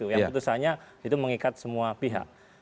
yang putusannya itu mengikat semua pihak